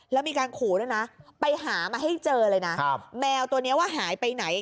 แล้วมีการขู่ด้วยนะไปหามาให้เจอเลยนะแมวตัวนี้ว่าหายไปไหน